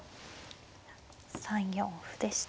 ３四歩でした。